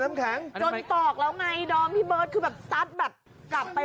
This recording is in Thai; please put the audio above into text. มึงต่อยกูทำไม